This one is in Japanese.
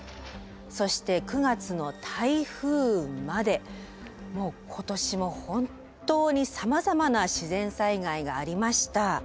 そして９月の台風までもう今年も本当にさまざまな自然災害がありました。